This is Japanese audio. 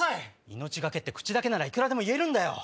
命懸けって口だけならいくらでも言えるんだよ！